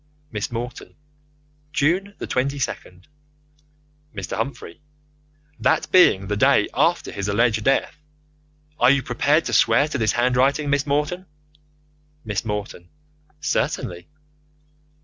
Miss Morton: June the 22nd. Mr. Humphrey: That being the day after his alleged death. Are you prepared to swear to this handwriting, Miss Morton? Miss Morton: Certainly.